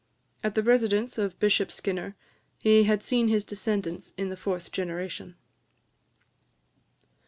At the residence of Bishop Skinner, he had seen his descendants in the fourth generation.